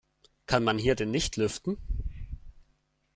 Kann man hier denn nicht lüften?